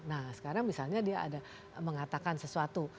nah sekarang misalnya dia ada mengatakan sesuatu